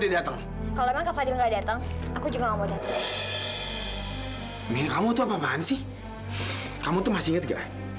datang kalau enggak datang aku juga mau datang minum kamu tuh apaan sih kamu tuh masih enggak